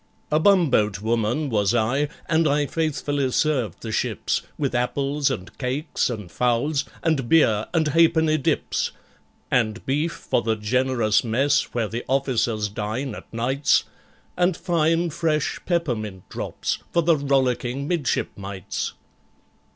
A bumboat woman was I, and I faithfully served the ships With apples and cakes, and fowls, and beer, and halfpenny dips, And beef for the generous mess, where the officers dine at nights, And fine fresh peppermint drops for the rollicking midshipmites.